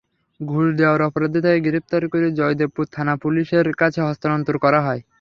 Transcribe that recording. ঘুষ দেওয়ার অপরাধে তাঁকে গ্রেপ্তার করে জয়দেবপুর থানা-পুলিশের কাছে হস্তান্তর করা হয়।